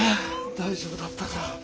大丈夫だったか？